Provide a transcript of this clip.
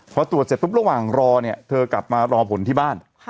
พอตรวจเสร็จปุ๊บระหว่างรอเนี่ยเธอกลับมารอผลที่บ้าน